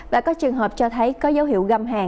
và có trường hợp cho thấy có dấu hiệu găm hàn